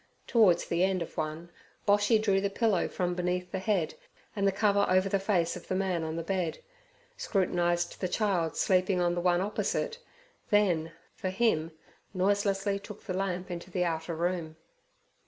Towards the end of one Boshy drew the pillow from beneath the head and the cover over the face of the man on the bed, scrutinized the child sleeping on the one opposite, then, for him, noiselessly took the lamp into the outer room.